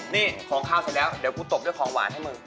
นี่ของข้าวเสร็จแล้วเดี๋ยวกูตบด้วยของหวานให้มึง